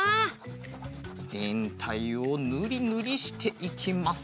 ぜんたいをぬりぬりしていきます。